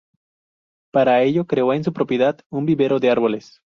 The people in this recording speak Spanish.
Para ello creó en su propiedad un vivero de árboles.